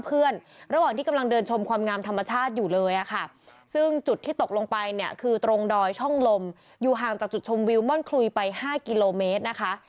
ระหว่างที่กำลังเดินชมความงามธรรมชาติอยู่เลยค่ะซึ่งจุดที่ตกลงไปเนี่ยคือตรงดอยช่องลมอยู่ห่างจากจุดชมวิวม่อนคลุยไป๕กิโลเมตรนะคะ